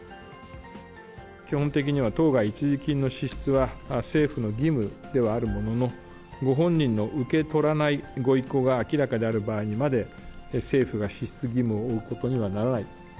基本的には当該一時金の支出は政府の義務ではあるものの、ご本人の受け取らないご意向が明らかである場合にまで、政府が支出義務を負うことにはならない。